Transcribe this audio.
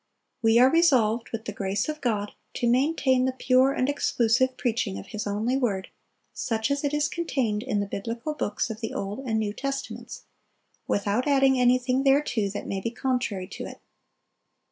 We are resolved, with the grace of God, to maintain the pure and exclusive preaching of His only word, such as it is contained in the biblical books of the Old and New Testaments, without adding anything thereto that may be contrary to it.